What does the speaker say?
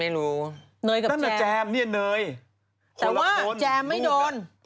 แต่ว่าแจมไม่โดน